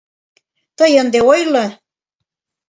— Тый ынде ойло...